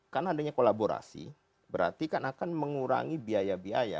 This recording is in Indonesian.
karena adanya kolaborasi berarti kan akan mengurangi biaya biaya